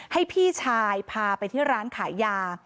ให้พี่ชายพาไปที่ร้านขายยา